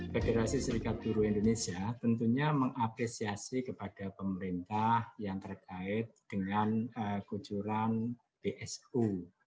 federasi serikat buru indonesia tentunya mengapresiasi kepada pemerintah yang terkait dengan kujuran bsu